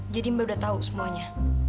jadi mbak udah tau semuanya